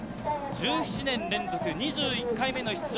１７年連続２１回目の出場。